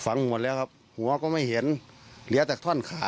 หมดแล้วครับหัวก็ไม่เห็นเหลือแต่ท่อนขา